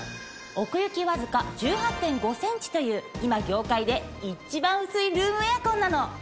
奥行きわずか１８．５センチという今業界で一番薄いルームエアコンなの。